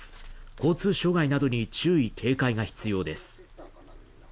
交通障害などに注意・警戒が必要です。